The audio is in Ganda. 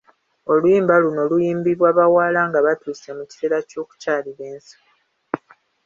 Oluyimba luno luyimbibwa bawala nga batuuse mu kiseera ky’okukyalira ensiko.